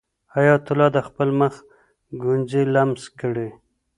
حیات الله د خپل مخ ګونځې لمس کړې.